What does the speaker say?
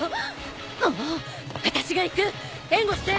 もう私が行く援護して！